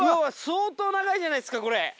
相当長いじゃないですかこれ。